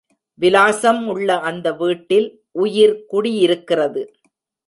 விலாசம் உள்ள அந்த வீட்டில் உயிர் குடியிருக்கிறது.